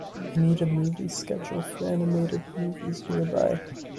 I need a movie schedule for animated movies nearby